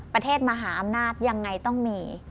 ประเทศมหาอำนาจยังไงต้องมี